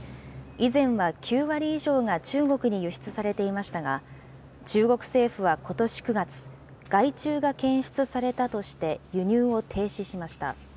以前は９割以上が中国に輸出されていましたが、中国政府はことし９月、害虫が検出されたとして輸入を停止しました。